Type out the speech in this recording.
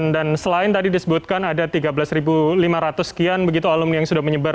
dan selain tadi disebutkan ada tiga belas lima ratus sekian alumni yang sudah menyebar